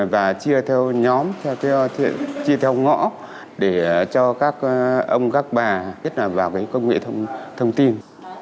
và chia theo nhóm chia theo ngõ để cho các ông các bà nhất là vào công nghệ thông tin